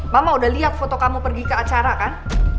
mama udah lihat foto kamu pergi ke acara kan